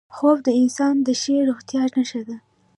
خوب د انسان د ښې روغتیا نښه ده